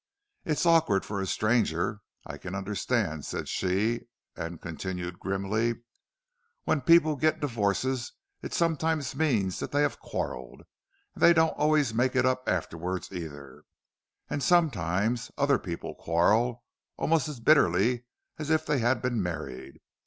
"It's awkward for a stranger, I can understand," said she; and continued, grimly: "When people get divorces it sometimes means that they have quarrelled—and they don't always make it up afterward, either. And sometimes other people quarrel—almost as bitterly as if they had been married.